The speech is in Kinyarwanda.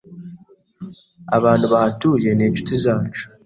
Abantu bahatuye ni inshuti zacu.